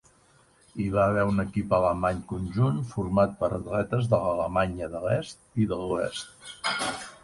Hi va haver un equip alemany conjunt format per atletes de l'Alemanya de l'Est i de l'Oest.